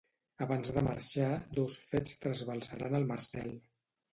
Abans de marxar dos fets trasbalsaran el Marcel.